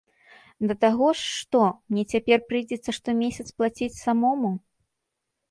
Да таго ж, што, мне цяпер прыйдзецца штомесяц плаціць самому?